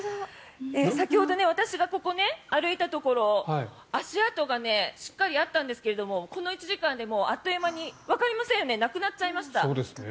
先ほど、私がここを歩いたところ足跡がしっかりあったんですけどこの１時間でもうあっという間にわかりませんなくなっちゃいました。